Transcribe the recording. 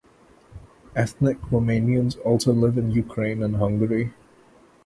Ethnic Romanians also live in Ukraine and Hungary.